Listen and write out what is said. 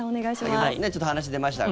ちょっと話出ましたが。